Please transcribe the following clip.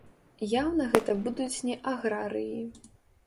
Яўна гэта будуць не аграрыі.